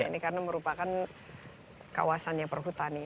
ini karena merupakan kawasannya perhutani